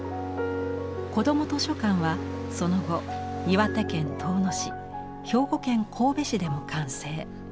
子ども図書館はその後岩手県遠野市兵庫県神戸市でも完成。